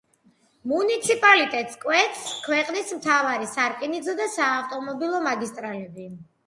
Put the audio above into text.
მუნიციპალიტეტს კვეთს ქვეყნის მთავარი სარკინიგზო და საავტომობილო მაგისტრალები.